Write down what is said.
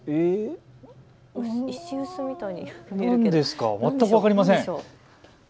全く分かりません。